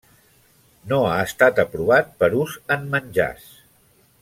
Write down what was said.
No ha estat aprovat per ús en menjars.